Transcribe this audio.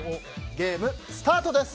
ゲームスタートです！